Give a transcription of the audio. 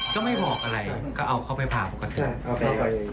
ก็ไม่บอกอะไรก็เอาเข้าไปพาพวกเขา